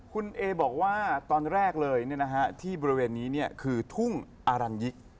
คุณเอบอกว่าตอนแรกเลยที่บริเวณนี้คือทุ่งอารัญยิก